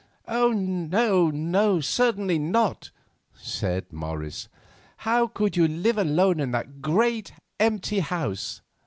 "No, no, certainly not," said Morris. "How could you live alone in that great, empty house?"